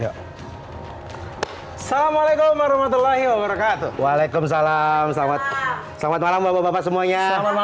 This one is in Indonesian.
ya assalamualaikum warahmatullahi wabarakatuh waalaikumsalam selamat selamat malam bapak semuanya